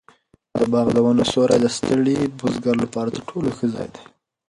د باغ د ونو سیوری د ستړي بزګر لپاره تر ټولو ښه ځای دی.